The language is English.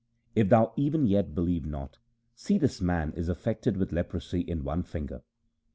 If thou even yet believe not, see this man is affected with leprosy in one finger.